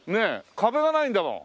壁がないんだもん。